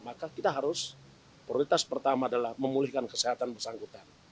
maka kita harus prioritas pertama adalah memulihkan kesehatan bersangkutan